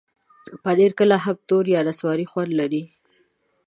پنېر کله هم تور یا نسواري خوند لري.